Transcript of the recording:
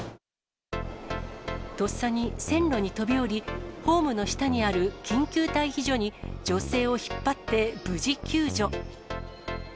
とっさに線路に飛び降り、ホームの下にある緊急退避所に、女性を引っ張って無事救助。